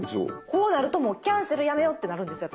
こうなるともうキャンセルやめようってなるんですよ